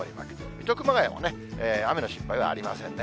水戸、熊谷も、雨の心配はありませんね。